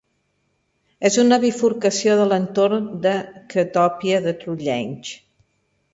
És una bifurcació de l'entorn de Qtopia de Trolltech.